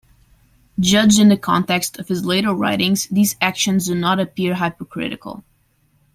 Judged in the context of his later writings, these actions do not appear hypocritical.